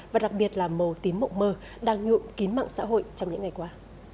và đặc biệt là màu tím mộng mơ đang nhụm kín mạng xã hội trong những ngày qua